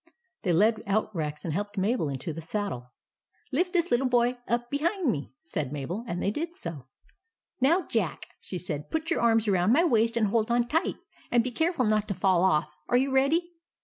They led out Rex, and helped Mabel into the saddle. " Lift this little boy up behind me," said Mabel ; and they did so. " Now, Jack," said she, " put your arms around my waist, and hold on tight, and be careful not to fall off. Are you ready